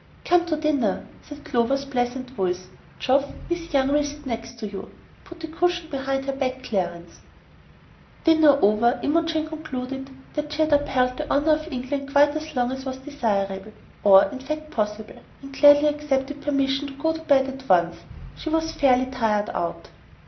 "Come to dinner," said Clover's pleasant voice. "Geoff, Miss Young will sit next to you. Put a cushion behind her back, Clarence." Dinner over, Imogen concluded that she had upheld the honor of England quite as long as was desirable, or in fact possible, and gladly accepted permission to go at once to bed. She was fairly tired out.